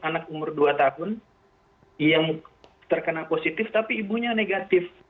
anak umur dua tahun yang terkena positif tapi ibunya negatif